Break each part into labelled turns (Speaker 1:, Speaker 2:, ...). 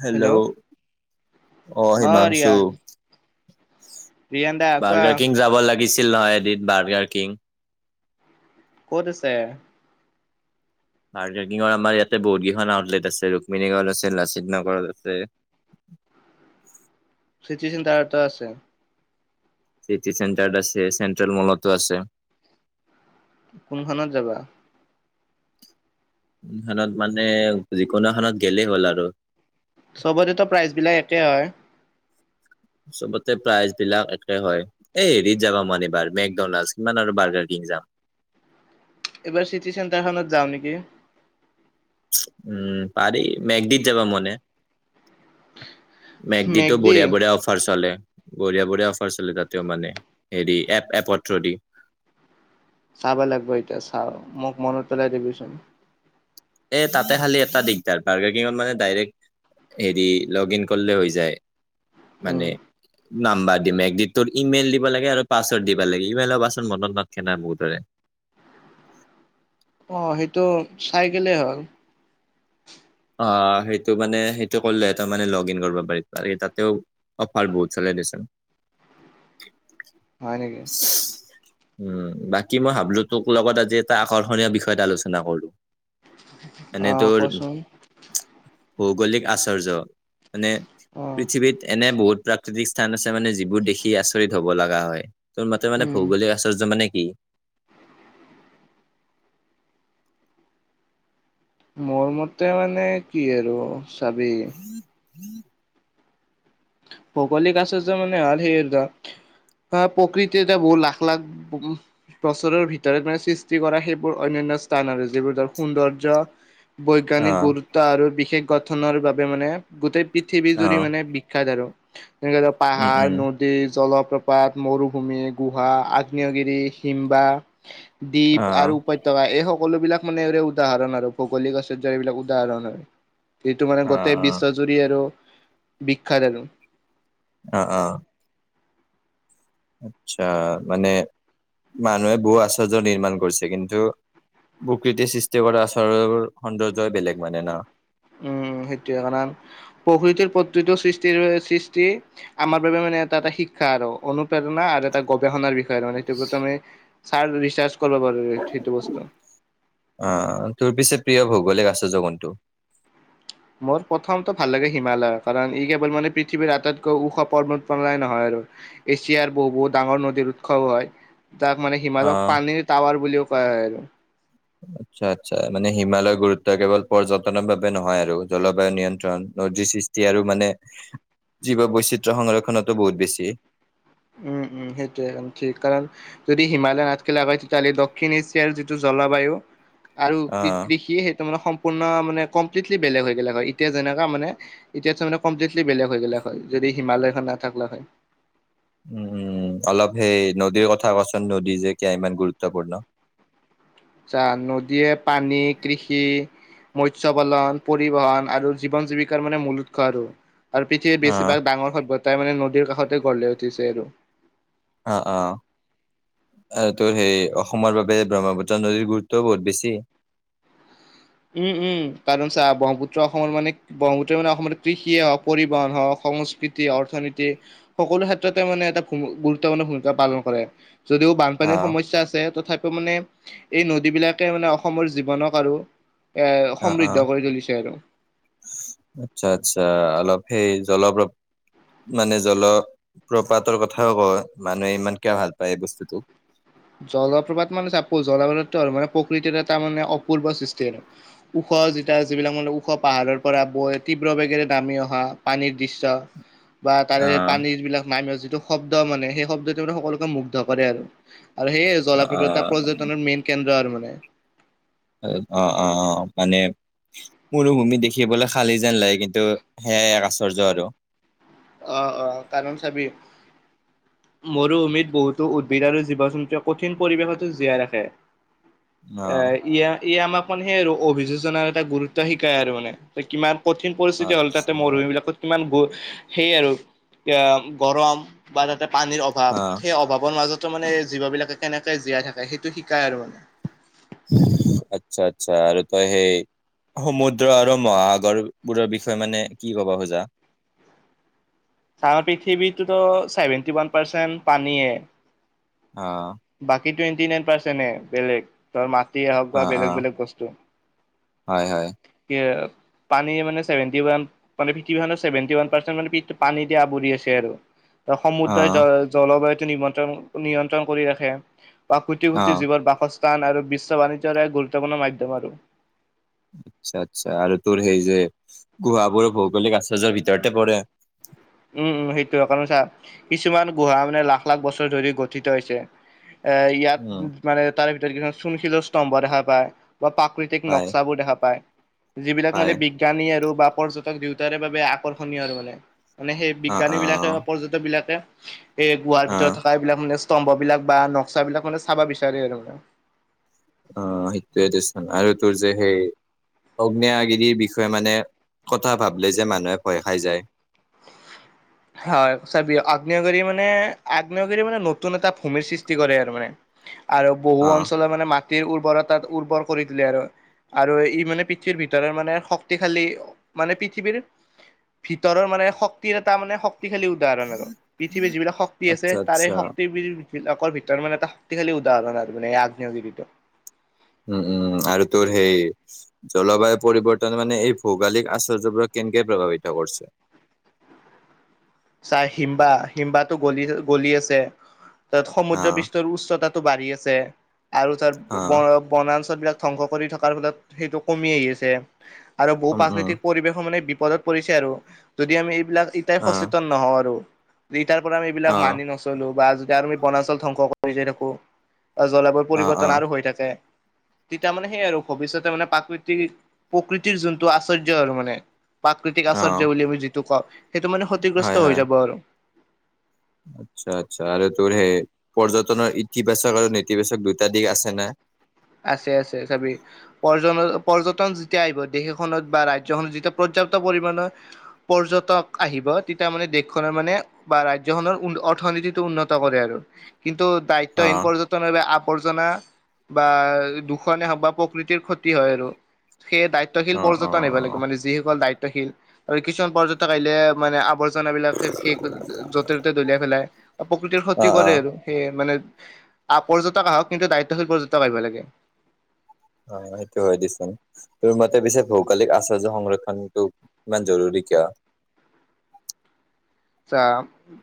Speaker 1: Hello অ হিমাংশু
Speaker 2: প্ৰিয়ন দা কোৱা
Speaker 1: গিছিল নহয় এদিন বাৰ্গাৰ কিং
Speaker 2: ক'ত আছে
Speaker 1: [unintelligible] আমাৰ ইয়াতে বহুত কেইখন আউটলেট আছে ৰুক্মণীগ়ত আছে লাচিত নগৰত আছে [inaudible]
Speaker 2: চিতুৱেন তাৰ এটা আছে
Speaker 1: চিটি চেণ্টাৰ আছে চেণ্ট্ৰেল মলতো আছে
Speaker 2: কোনখনানত যাবা।
Speaker 1: ইহতত মানে যিকোনো এখনত গেলেই হ'ল আৰু
Speaker 2: চবতেতো প্ৰাইজবিলাক একেই হয়।
Speaker 1: চবতে প্ৰাইজ বিলাক একে হয় এই হেৰিত যাবা মান এইবাৰ মেকডনাল্ড কিমান আৰু বাৰ্গাৰ কিং জাম
Speaker 2: এইবাৰ চিটি চেণ্টাৰখনত যাওঁ নেকি
Speaker 1: উম পাৰি মেঘদপ যাবা মনে মেগডিতো
Speaker 2: মেগদি
Speaker 1: বঢ়িয়া বঢ়িয়া অফাৰ চলে বঢ়িয়া বঢ়িয়া অফাৰ চলে তাতেও মানে হেৰি এপ এপৰ থ্ৰদি
Speaker 2: চাব লাগিব এতিয়া চাও মোক মনত পেলাই দিবিচোন
Speaker 1: এই তাতে খালী এটা দিগদাৰ পাৰ্কিঙত মানে ডাইৰেক্ট হেৰি লগ ইন কৰিলে হৈ যায়
Speaker 2: উম
Speaker 1: মানে নাম্বাৰ দিম একদ তোৰ ইমেইল দিব লাগে আৰু পাছৱৰ্ড দিব লাগে। ইমেইলৰ পাছৰ্ড মনত নখে না বহুতৰে [unintelligible]
Speaker 2: অ', সেইটো চাই গেলে হ'ল।
Speaker 1: অ সেইটো মানে সেইটো কইলে ত মানে লগ ইন কৰব পাৰি আৰু তাতেও অফাৰ বহুত চলে। [inaudible]
Speaker 2: হয় নেকি?
Speaker 1: উ বাকী মই ভাবলো তোক লগত আজি এটা আকৰ্ষণীয় বিষয়ত এটা আলোচনা কৰো।
Speaker 2: অ', কোৱাচোন।
Speaker 1: ভৌগলিক আশৰ্য, মানে
Speaker 2: অ
Speaker 1: পৃথিৱীত এনে বহুত প্ৰাকৃতিক স্থান আছে মানে যিবোৰ দেখি আচৰিত হ'ব লগা হয় তোৰ মতে মানে
Speaker 2: উম
Speaker 1: ভৌগলিক আচৰ্য মানে [unintelligible]
Speaker 2: মোৰ মতে মানে কি আৰু চাবি ভৌগোলিক আচাৰ্য মানে [unintelligible] [unintelligible] প্ৰকৃতি এতিয়া বহ, লাখ লাখ [unintelligible] বছৰৰ ভিতৰত মানে সৃষ্টি কৰা সেইবোৰ অন্যন্য স্থান আৰু যিবোৰ ধৰ সৌন্দৰ্য
Speaker 1: অ
Speaker 2: বৈজ্ঞানিক গুৰুত্ব আৰু বিশেষ গঠনৰ বাবে মানে গোটেই পৃথিৱী
Speaker 1: অ
Speaker 2: জুৰি মানে বিক আৰু, যেনেক পাহাৰ
Speaker 1: উম-উম,
Speaker 2: নদী জলপ-' [unintelligible] মৰুভূমি, গুহা, আগ্নেয়গিৰি, শিম্বা দ্বীপ আৰু উপত্যকা এই হক সকলোবিলাক মানে এওৰে উদাহৰণ আৰু ভৌগলিক আশ্চৰ্য্যৰ এইবিলাক উদাহৰণ হয়। এইটো মানে গোটেই
Speaker 1: অ-অ-অ-অ,
Speaker 2: বিশ্বজুৰি আৰু বিখ্যাত আৰু।
Speaker 1: অঁ অঁ আচ্ছা, মানে মানুহে বহু আশ্চৰ্য নিৰ্মাণ কৰিছে কিন্তু প্ৰকৃতিয়ে সৃষ্টি কৰা আচাৰৰ সৌন্দৰ্যই বেলেগ মানে ন?
Speaker 2: উম সেইটোয়ে কাৰণ, প্ৰকৃতিৰ প্ৰতিটো সৃষ্টিৰ সৃষ্টি আমাৰ বাবে [unintelligible] এটা এটা শিক্ষা আৰু অনুপ্ৰেৰণা আৰু এটা গৱেষণাৰ বিষয় আৰু মানে সিটো [unintelligible]
Speaker 1: অঁ তোৰ পিছে প্ৰিয় ভোগ গলিক আচাৰ্য্য কোনটো?
Speaker 2: মোৰ প্ৰথমটো ভাল লাগে হিমালয় কাৰণ ই কেৱল মানে পৃথিৱীৰ আটাইতকৈ ওখ পৰ্বতমালাই নহয় আৰু। এছিয়াৰ বহুত ডাঙৰ নদীৰ উৎসৱ হয়। তাক মানে হিমালয়ক
Speaker 1: অ'
Speaker 2: পানীৰ টাৱাৰ বুলিও কয় আৰু।
Speaker 1: [inaudible] আচ্ছা আচ্ছা, মানে হিমালয়ৰ গুৰুত্ব কেৱল পৰ্যটনৰ বাবে নহয় আৰু জলবায়ু নিয়ন্ত্ৰণ নদীৰ সি [unintelligible] আৰু মানে, জীৱ বৈচিত্ৰ সংৰক্ষনতো বহুত বেছি।
Speaker 2: উম, উম, সেইটোৱে [unintelligible] ঠিক কাৰণ যদি হিমালয় নাথকিলাক হয় তেতিহলে দক্ষিণ এছিয়াৰ যিটো [unintelligible] জল-বায়ু আৰু
Speaker 1: অ'
Speaker 2: কৃ-কৃষি সেই [unintelligible] মানে কমপ্লিটলি [unintelligible] মানে কমপ্লিটলি বেলেগ হৈ গেলাক হয়, এতিয়া যেনেকা মানে, এতিয়াটো মানে কমপ্লিতলি বেলেগ হৈ গেলাক হয়। এইহিমালয়খন নাথাকলাক হয়।
Speaker 1: [unintelligible] উম উম, অলপ সেই নদীৰ কথা কচোন, নদী যে কিয় ইমান গুৰুত্বপূৰ্ণ। [unintelligible]
Speaker 2: চা নদীয়ে পানী কৃষি মৎস্য পালন, পৰিবহন আৰু জীৱন জীৱিকাৰ মানে মূল উৎস আৰু। আৰু পৃথিৱী
Speaker 1: অ',
Speaker 2: বেছিভাগ ডাঙৰ সভ্যতাই মানে নদীৰ কাষতে গঢ় লৈ উঠিছে আৰু।
Speaker 1: আ, আ। আৰু তোৰ সেই অসমৰ বাবে ব্ৰহ্মপুত্ৰ নদীৰ গুৰুত্বও বহুত বেছি। [unintelligible]
Speaker 2: উম উম কাৰণ চা ব্ৰহ্মপুত্ৰ অসমৰ মানে ব্ৰহ্মপুত্ৰ মানে অসম কৃষিয়ে হওক পৰিবহন হওক সংস্কৃতি, অৰ্থনীতি সকলো ক্ষেত্ৰতে মানে এটা ভুমি, গুৰুত্বপূৰ্ণ ভূমিকা পালন কৰে। যদিও বানপানীৰ
Speaker 1: অ',
Speaker 2: সমস্যা আছে তথাপি-' মানে নদীবিলাকে মানে অসমৰ জীৱনক আৰু এ
Speaker 1: অ'
Speaker 2: সমৃদ্ধ
Speaker 1: অ',
Speaker 2: কৰি তুলিছে আৰু
Speaker 1: আচ্ছা আচ্ছা, অলপ সেই জলপ্ৰ মানে জলপ্ৰপাতৰ কথাও ক, মানুহে ইমান কিয় ভাল পায় এই বস্তুটোক?
Speaker 2: জলপ্ৰপাত মানে চা, জলপ্ৰপ্ৰাতটো হ'ল মানে প্ৰকৃতিৰ এটা মানে অপূৰ্ব সৃষ্টি আৰু ওখ যেতিয়া যিবিলাক মানে ওখ পাহাৰৰ পৰা বৈ তীব্ৰ বেগেৰে নামি অহা পানীৰ দৃশ্য বা তাৰে
Speaker 1: অ',
Speaker 2: পানীৰ বিলাক নামি যিটো শব্দ মানে, সেই শব্দটো মানে সকলোকে মুগ্ধ কৰে আৰু আৰু সেইয়ে জলপ্ৰপ্ৰাতৰ
Speaker 1: অ',
Speaker 2: পৰ্যটনৰ মেইন কেন্দ্ৰ আৰু মানে
Speaker 1: অ', অ', অ', মানে মৰুভূমি দেখিবলৈ খালী যেন লাগে কিন্তু সেয়াই এক আশ্চৰ্য্য আৰু
Speaker 2: অ অ কাৰণ চাবি মৰুভূমিত বহুতো উদ্ভিদ আৰু জীৱ-জন্তুৱে কঠিন পৰিৱেশতো জীয়াই ৰাখে এ
Speaker 1: অ',
Speaker 2: ইয়া ই আমাক মানে সেই আৰু অভিযোজনাৰ এটা গুৰুত্ব শিকাই আৰু মানে ত কিমান কঠিন পৰিস্থিতি হ'ল
Speaker 1: আচ্ছা
Speaker 2: তাতে মৰুভূমিবিলাকত কিমান গ সেই আৰু গৰম বা তাতে পানীৰ অভাৱ
Speaker 1: অ',
Speaker 2: সেই অভাৱৰ মাজত মানে জীৱ বিলাকে কেনেকে জীয়াই থাকে সেইটো শিকায় আৰু মানে
Speaker 1: আচ্ছা আচ্ছা আৰু তই সেই সমুদ্ৰ আৰু মহাসাগৰবোৰৰ বিষয়ে মানে কি ক'বা খোজা?
Speaker 2: চা পৃথিৱীতোতো ছেভেনটি ওৱান পাৰ্চেণ্ট পানীয়ে
Speaker 1: অ
Speaker 2: বাকী টুৱেন্টি নাইন পাৰ্চেন্ত হে বেলেগ ধৰ মা টিৱে হওঁক বা
Speaker 1: অ',
Speaker 2: বেলেগ
Speaker 1: অ',
Speaker 2: বেলেগ বস্তু।
Speaker 1: হয় হয়
Speaker 2: কি পানী মানে সেৱেণ্টি ওৱান, মানে পৃথিৱীখনত সেৱেণ্টি ওৱান পানী দি আৱৰি আছে আৰু সমুদ্ৰই জ
Speaker 1: অ',
Speaker 2: জলবায়ুটো নিমন্ত্ৰণ নিয়ন্ত্ৰণ কৰি ৰাখে। বা কোটি
Speaker 1: অ'।
Speaker 2: কোটি জীৱৰ বাসস্থান আৰু বিশ্ব বাণিজ্যৰ এক গুৰুত্বপূৰ্ণ মাধ্যম আৰু
Speaker 1: আচ্ছা আচ্ছা আৰু তোৰ সেই যে গুহাবোৰো ভৌগোলিক আশ্চৰ্য্যৰ ভিতৰতে পৰে।
Speaker 2: উম, উম সেইটোৱে কাৰণ চা কিছুমান গুহা মানে লাখ-লাখ বছৰ ধৰি গঠিত হৈছে। এ ইয়াত
Speaker 1: উম
Speaker 2: মানে তাৰ ভিতৰত কিছুমান চূণশিলৰ স্তম্ভ দেখা পায়। বা প্ৰাকৃতিক
Speaker 1: পায়
Speaker 2: নক্সাবোৰ দেখা পায় যিবিলাক মানে
Speaker 1: পায়
Speaker 2: বিজ্ঞানী আৰু বা পৰ্যটক দুয়োটাৰে বাবে আকৰ্ষণীয় আৰু মানে মানে সেই
Speaker 1: অ
Speaker 2: বিজ্ঞানী
Speaker 1: অ
Speaker 2: বিলাকে বা পৰ্যটক বিলাকে এই গুহাৰ
Speaker 1: অ
Speaker 2: ভিতৰত থকা এইবিলাক মানে স্তম্ভ বিলাক বা নক্সা বিলাক মানে চাব বিচাৰে আৰু
Speaker 1: অ', সেইটোৱে দেচোন আৰু তোৰ যে সেই আগ্নেয়গিৰিৰ বিষয়ে মানে কথা ভাবিল যে মানুহে ভয় খাই যায়। [inaudible]
Speaker 2: হয় চাবি আগ্নেয়গিৰি মানে আগ্নেয়গিৰি মানে নতুন এটা ভূমিৰ সৃষ্টি কৰে আৰু মানে আৰু
Speaker 1: অ
Speaker 2: বহু অঞ্চলৰ মানে মাটিৰ উৰ্বৰতাত উৰ্বৰ কৰি দিলে আৰু আৰু ই মানে পৃথিৱীৰ ভিতৰত মানে শক্তিশালী, মানে পৃথিৱীৰ ভিতৰৰ মানে শক্তিৰ এটা মানে শক শক্তিশালী উদাহৰণ আৰু পৃথিৱীৰ যিবিলাক শক্তি আছে
Speaker 1: আচ্ছা আচ্ছা
Speaker 2: তাৰেই শক্তিবিলাকৰ ভিতৰ তাৰমানে এটা শক্তিশালী উদাহৰণ আৰু মানে আগ্নেয়গিৰিটো।
Speaker 1: উম উম আৰু তোৰ সেই জলবায়ু পৰিৱৰ্তন মানে এই ভৌগলিক আশচৰ্যবোৰক কেনকে প্ৰভাৱিত কৰিছে?
Speaker 2: চা হিম্বা, হিম্বাটো গলি গলি আছে তাৰ
Speaker 1: অ
Speaker 2: সমুদ্ৰ পৃষ্ঠৰ উচ্চতাত বাঢ়ি আছে আৰু তাৰ
Speaker 1: অ
Speaker 2: বনা বনাঞ্চ বিলাক ধ্বংস কৰি থকাৰ ফলত সেইটো কমি আহি আছে আৰু বহু
Speaker 1: উম উম
Speaker 2: প্ৰাকৃতিক পৰিৱেশ মানে পদত পৰিছে আৰু যদি আমি এইবিলাক ইটাই
Speaker 1: অ
Speaker 2: সচ তাৰ পৰা আমি এইবিলাক
Speaker 1: অ
Speaker 2: মানি
Speaker 1: অ
Speaker 2: নচলো বা যদি আৰু আমি বনাঞ্চল ধ্বংস কৰি যায় থাকো জলবায়ু
Speaker 1: অ
Speaker 2: পৰিৱৰ্তন আৰু হৈ থাকে তেতিয়া মানে সেই আৰু ভৱিষ্যতে মানে প্ৰাকৃতিক প্ৰকৃতিৰ যোনটো আশ্চৰ্য্য আৰু মানে প্ৰাকৃতিক
Speaker 1: অ
Speaker 2: আশ্চৰ্য্য বুলি আমি যিটো কওঁ, সেইটো মানে
Speaker 1: হয়
Speaker 2: ক্ষতিগ্ৰস্ত
Speaker 1: হয়
Speaker 2: হৈ যাব আৰু
Speaker 1: আচ্ছা আচ্ছা আৰু তোৰ সেই পৰ্যটনৰ ইতিবাচক আৰু নেতিবাচক দুটা দিশ আছে না
Speaker 2: আছে আছে চি পৰ্য পৰ্য্যটন যেতিয়া আহিব দেশখনত বা ৰাজ্যখনত যেতিয়া প পৰ্যাপ্ত পৰিমণৰ পৰ্যটক আহিব তেতিয়া মানে দেশখনৰ মানে বা ৰাজ্যখনৰ অৰ্থনীতিটো উন্নত কৰে আৰু কিন্তু দায়িত্বহীন
Speaker 1: অ',
Speaker 2: পৰ্যটনেৰে আৱৰ্জনা। বা দূষনেে হওক বা প্ৰকৃতিৰ ক্ষতি হয় আৰু সেই দায়িত্বশী
Speaker 1: অ',
Speaker 2: পৰ্যটন এইব লাগে
Speaker 1: অ',
Speaker 2: মানে যিসকল দায়িত্বশীল আৰু কিছুমান পৰ্যটক ক আহিলে মানে আৱ জাবলাক সেই যতে ত'তে দলিয়াই পেলাই প্ৰকৃতিৰ ক্ষতি
Speaker 1: অ', অ',
Speaker 2: কৰে
Speaker 1: অ',
Speaker 2: আৰু সেইয়ে মানে আ পৰ্যটক আহক কিন্তু দায়িত্বশীল পৰ্যটক আহ়িব লাগে।
Speaker 1: হয় সেইটো হয় দিচোন তোৰ মতে পিছে ভৌগালিক আচৰ্য্য সংৰক্ষণটো ইমান জৰুৰী কিয় [unintelligible]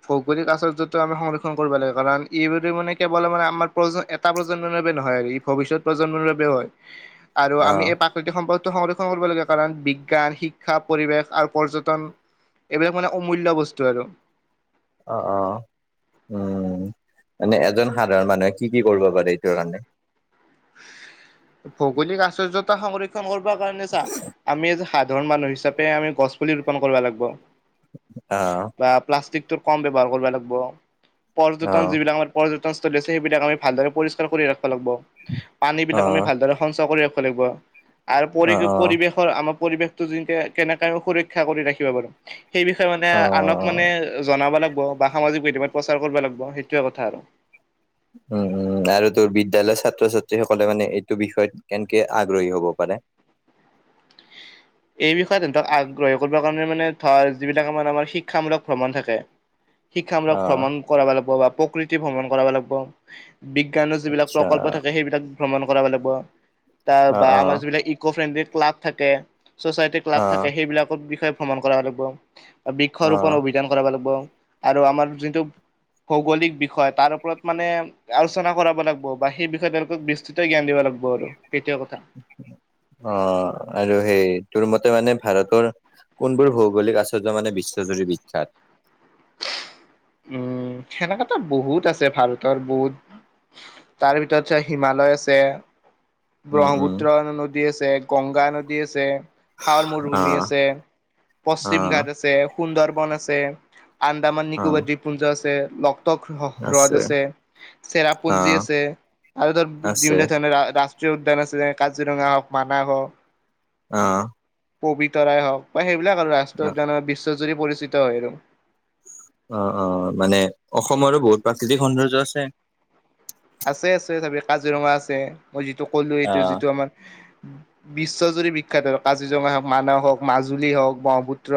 Speaker 2: ভৌগলিক আশৰ্যতটো আমি সংৰক্ষন কৰিব লাগে কাৰণ এইব মানে কেৱল মানে আমাৰ প্ৰ এটা প্ৰজন্মৰ বাবে নহয়, আৰু ই ভৱিষ্যত প্ৰজন্মৰ বাবে হয়, আৰু আমি
Speaker 1: অ',
Speaker 2: এই প্ৰাকৃতিক সম্পদ। সংৰক্ষণ কৰিবলগীয়া কাৰণ বিজ্ঞান শিক্ষা পৰিৱেশ আৰু পৰ্যটন এইবিলাক মানে অমূল্য বস্তু আৰু।
Speaker 1: অ', অ', উম, মানে এজন সাধাৰণ মানুহে কি, কি কৰিব পাৰে এইটো কাৰণে
Speaker 2: ভৌগলিক আশ্চৰ্যতা সংৰক্ষণ কৰিব কাৰণে চা আমি গাঁওৰ মানুহ হিচাপে আমি গছপুলি ৰোপণ কৰিব লাগিব
Speaker 1: অ',
Speaker 2: বা প্লাষ্টিক কম ব্যৱহাৰ কৰিব লাগিব পৰ্যটন
Speaker 1: অ',
Speaker 2: যিবিলাক পৰ্য্যতক। সেইবিলাক আমি ভাল দৰে পৰিষ্কাৰ কৰি ৰাখিব লাগিব, পানী বিলাক আমি
Speaker 1: অ',
Speaker 2: ভালদৰে সংচয় কৰি ৰাখিব লাগিব। লাগিব আৰু পৰি
Speaker 1: অ', অ'।
Speaker 2: পৰিৱেশৰ আমাৰ পৰিৱেশ। কেনেক সুৰক্ষা কৰি ৰাখিব পাৰ সেই বিষয়ে মানে আনক
Speaker 1: অ',
Speaker 2: মানে জনাব লাগিব। বা সামাজিক মধ্যমত প্ৰচাৰ কৰিব লাগিব সেইটোৱে কথা আৰু।
Speaker 1: উম -উম আৰু তোৰ বিদ্য়ালয় ছাত্ৰ ছাত্ৰী সকলে মানে এইটো বিষয়ত কেনকে আগ্ৰহী হ'ব পাৰে। [inaudible]
Speaker 2: এই বিষয়ে তেহেতক আগ্ৰহ কৰিব। কাৰে মানে ধৰ যিবিলাক আমাৰ আমাৰ শিক্ষামূলক ভ্ৰমণ থাকে শিক্ষামূলক
Speaker 1: অ',
Speaker 2: ভ্ৰমণ কৰা লাগিব বা প্ৰকৃতি ভ্ৰমণ কৰাব লাগিব। বিজ্ঞানৰ যিবিলাক
Speaker 1: আচ্ছা,
Speaker 2: প্ৰকল্প থাকে সেইবিলাক ভ্ৰমণ কৰা লাগিব। তাৰ
Speaker 1: অ',
Speaker 2: বা আমাৰ
Speaker 1: অ',
Speaker 2: যিবিলাক ইক' ফ্ৰেণ্ডলি ক্লাব থাকে চ'চাইটি ক্লাব থাকে
Speaker 1: অ',
Speaker 2: সেইবিলাকৰ বিষয়ে ভ্ৰমণ কৰাব লাগিব বৃক্ষ
Speaker 1: অ'।
Speaker 2: ৰোপণ অভিধান কৰা লাগিব আৰু আমাৰ যোনটো। ভৌগলিক বিষয় তাৰ ওপৰত মানে আলোচনা কৰাব লাগিব বা সেই বিষয়ে তেওঁলোকক বিস্তৃত জ্ঞান দিব লাগ চ ব আৰু। সেইটোৱে কথা।
Speaker 1: অ' আৰু সেই। তোৰ মতে মানে ভাৰতৰ কোনবোৰ ভৌগোলিক আশ্চৰ্য মানে বিশ্বজুৰি বিখ্যাত। [inaudible]
Speaker 2: উম সেনেককাতো বহুত আছে ভাৰতৰ বহুত। তাৰ ভিতৰতছে হিমালয় আছে
Speaker 1: উম, উম,
Speaker 2: ব্ৰহ্মপুত্ৰ নদী আছে, গংগা নদী আছে। থাৱৰ মৰুভূমি
Speaker 1: অ',
Speaker 2: আছে, পশ্চিম
Speaker 1: অ',
Speaker 2: ঘাট আছে সুন্দৰবন আছে। আন্দামান
Speaker 1: অ',
Speaker 2: নিকোবাৰ দ্বীপুঞ্জ আছে লগ হ্ৰদ আছে চেৰাপুঞ্জী
Speaker 1: অ',
Speaker 2: আছে আৰু ধৰ
Speaker 1: আছে
Speaker 2: বিভিন্ন ধৰণৰ ৰাজ। উদ্যান আছে যে কাজিৰঙা হওক মানাহ হওক
Speaker 1: আহ।
Speaker 2: পবিতৰাই হওক বা সেইবিলাক আৰু ৰাষ্ট্ৰ উদ্যান বিশ্বজুৰি পৰিচিত হয় আৰু
Speaker 1: অ', অ', মানে অসমৰো বহুত প্ৰাকৃতিক সৌন্দৰ্য আছে
Speaker 2: আছে, আছে তাপি কাজিৰঙা আছে মই যিটো কলো সিটো
Speaker 1: অ',
Speaker 2: যিটো আমাৰ বিশ্বজুৰি বিখ্যয়াত কাজিৰঙা হওক মানস হওক মাজুলী হওক ব্ৰহ্মপুত্ৰ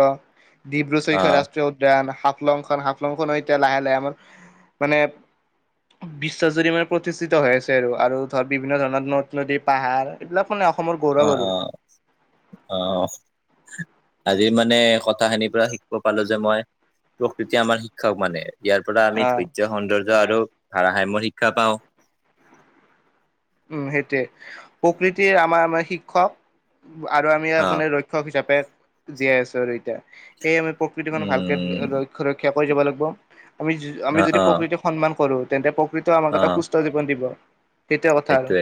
Speaker 2: ডিব্ৰু সৈখ্য
Speaker 1: অ',
Speaker 2: ৰাষ্ট্ৰীয় উদ্যান হাফলংখন হাফলং খন এতিয়া লাহে লাহে আমাৰ মানে বিশ্বজুৰি মানে প্ৰতিষ্ঠিত হৈ আছে আৰু ধৰ বিভিন্ন ধৰণৰ নদ-নদী পাহাৰ এইবিলাক, মানে অসমৰ গৌৰৱ
Speaker 1: অ',
Speaker 2: আৰু
Speaker 1: অ', অ', আজি মানে কথাখিনিৰ পৰা শিকিব পালোঁ যে মই প্ৰকৃতিয় আমাৰ শিক্ষক মানে। ইয়াৰ পৰা আমি
Speaker 2: আহ
Speaker 1: ধৈৰ্য সৌন্দৰ্য আৰু ভাৰসাম্য শিক্ষা পাওঁ।
Speaker 2: উম্, সেইটোৱে প্ৰকৃতিৰ আমাৰ শিক্ষক। আৰু আমি
Speaker 1: অ',
Speaker 2: আপোনে ৰক্ষক হিচাপে জীয়াই আছোঁ আৰু এতিয়া। সেয়ে আমি প্ৰকৃতি মানুহ ভালকে
Speaker 1: উম,
Speaker 2: ৰক্ষ ৰক্ষা কৰি যাব লাগিব। আমি, আমি
Speaker 1: অ',
Speaker 2: যদি
Speaker 1: অ',
Speaker 2: প্ৰকৃতিক সন্মান কৰো, তেন্তে প্ৰকৃতিও আমাক এটা
Speaker 1: অ',
Speaker 2: সুস্থ জীৱন দিব তেতিয়া।
Speaker 1: সেইটোৱে,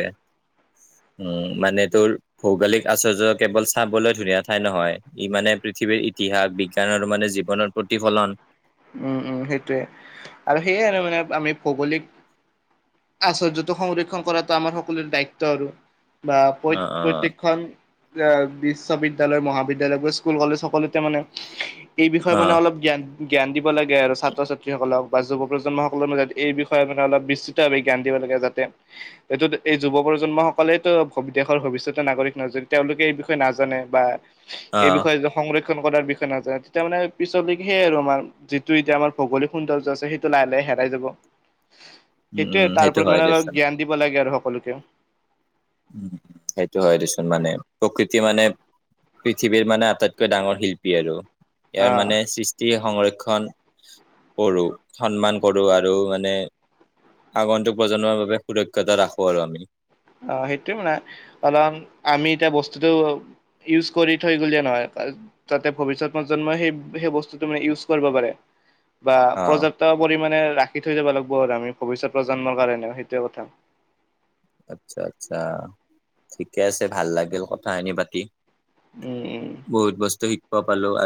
Speaker 1: উম্, মানে তোৰ ভৌগোলিক, আচাৰ্য্য কেৱল চাবলৈ ধুনীয়া ঠাই নহয়, ই মানে পৃথিৱীৰ ইতিহাস, বিজ্ঞান আৰু মানে জীৱনৰ প্ৰতি প্ৰতিফলন।
Speaker 2: উম্, উম্, সেইটোৱে আৰু সেইয়াই আৰু মানে আমি ভৌগোলিক, আশ্চৰ্যটো সংৰক্ষণ কৰাটো আমাৰ সকলৰে দায়িত্ব আৰু। বা
Speaker 1: অ', অ',
Speaker 2: প্ৰ-প্ৰত্যেকখন এ বিশ্ববিদ্য়ালয় মহাবিদ্য়ালয় স্কুল কলেজ সকলোতে মানে। এই বিষয়ে মানে
Speaker 1: অ',
Speaker 2: অলপ জ্ঞান জ্ঞান দিব লাগে আৰু ছাত্ৰ ছাত্ৰীসকলক। বা যুৱ প্ৰজন্ম সসকলৰ মাজত এই বিষয়ে মানে অলপ বিস্ত জ্ঞান দিব লাগে যাতে এইটোত এই যুৱ প্ৰজন্ম সকলে তো দেশৰ ভৱিষ্যতেৰ নাগৰিক নজ তেওঁলোকে এই বিষয়ে নাজানে বা এই
Speaker 1: অ',
Speaker 2: বিষয়েদি সংৰক্ষিত। কৰাৰ বিয় নাজয তেতিয়াানে পিছলৈকে আৰু আমাৰ যিটো এতিয়া আমাৰ ভৌগলিক সৌন্দৰ্যছে সেইটো লাহ লাহে। হেৰাই যাব।
Speaker 1: [inaudible]
Speaker 2: সেইটোৱে
Speaker 1: উম,
Speaker 2: তাৰ
Speaker 1: সেইটো
Speaker 2: ওপৰত
Speaker 1: হয়
Speaker 2: মানে অলপ
Speaker 1: দেচোন
Speaker 2: জ্ঞান দিব লাগে আৰু সকলোকে।
Speaker 1: উম সেইটো হয় দেচোন মানে প্ৰকৃতি মানে। পৃথিৱীৰ মানে আটাইতকৈ ডাঙৰ শিল্পী আৰু ইয়াৰ
Speaker 2: আহ
Speaker 1: মানে সৃষ্টি সংৰক্ষ ণ কৰো সন্মান কৰো আৰু মানে। আগন্তুক প্ৰজন্মৰ বাবে সুৰক্ষতা ৰাখো আৰু আমি।
Speaker 2: অ সেইটো মানে অলপ আমি এতিয়া বস্তুতটো ইউজ কৰি থৈ গলিয়ে নহয়। তাতে ভৱিষ্যত প্ৰজন্মই সেই সেই বস্তুটো মানে ইউজ কৰিব পাৰে। বা
Speaker 1: অ',
Speaker 2: পৰ্যাপ্ত পৰিমাণে। ৰাখি থৈ যাব লাগিব আৰু আমি ভৱিষ্যত প্ৰজন্মৰ কাৰণে সেইটোয়ে কথা।
Speaker 1: আচ্ছা আচ্ছা ঠিকে আছে ভাল লাগিল কথা খিনি পাতি।
Speaker 2: উম উম
Speaker 1: বহুত বস্তু শিকব পালো আৰু